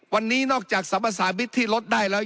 วันนี้นอกจากสรรพสามิตรที่ลดได้แล้ว